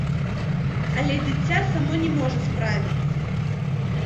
Але дзіця само не можа справіцца.